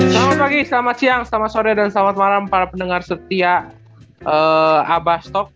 selamat pagi selamat siang selamat sore dan selamat malam para pendengar setia abah stok